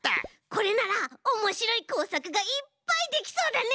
これならおもしろいこうさくがいっぱいできそうだね！